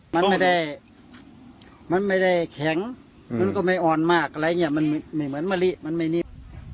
มันไม่ได้มันไม่ได้แข็งมันก็ไม่อ่อนมากอะไรอย่างนี้มันไม่เหมือนมะลิมันไม่นิบ